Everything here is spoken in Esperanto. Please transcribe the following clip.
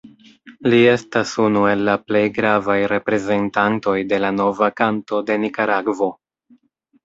Li estas unu el la plej gravaj reprezentantoj de la "Nova Kanto" de Nikaragvo.